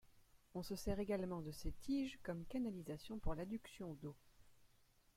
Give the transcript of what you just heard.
On se sert également de ces tiges comme canalisations pour l'adduction d'eau.